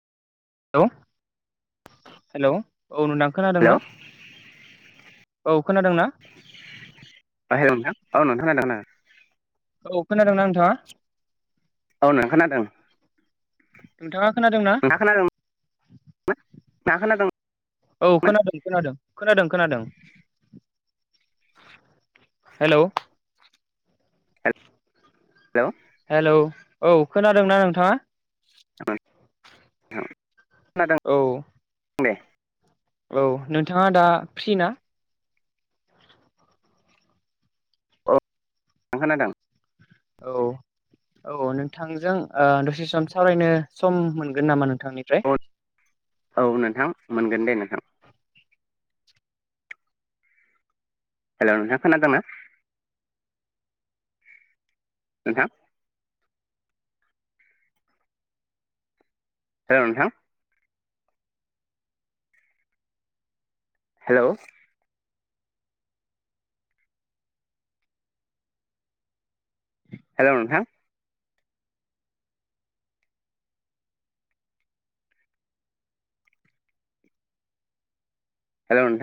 Hello! औ नोंथाङा खोनादों ना? हेलौ औ खोनादों ना? बाहेराव नोंथां [unintelligible] औ खोनादोंना नोंथाङा? औ नों खोनादों। नोंथाङा खोनादों ना? खोनादों। ना खोनादों। औ ना खोनादों खोनादों खोनादों खोनादों। हेलौ! हेलौ! हेलौ औ खोनादोंना नोंथाङा? [unintelligible] खोनादों। औ। [unintelligible] औ नोंथाङा दा फ्रि ना? औ खोनादों। औ। औ नोंथांजों ओ दसे सम सावरायनो सम मोनगोन नामा नोंथांनिफ्राय। औ औ नोंथां मोनगोन दे नोथां। हेलौ नोंथां खोनादोंना? नोथां। हेलौ नोथां। हेलौ हेलौ नोंथां। हेलौ नोंथां।